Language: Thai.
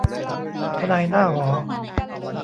ทนายหน้าหอ